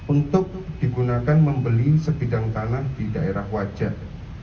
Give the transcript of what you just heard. untuk digunakan membeli sebidang tanah di daerah wajah